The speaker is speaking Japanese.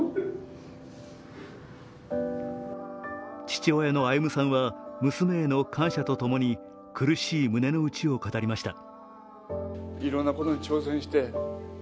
父親の歩さんは娘への感謝とともに苦しい胸のうちを語りました。